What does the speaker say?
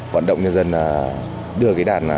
vận động nhân dân đưa đàn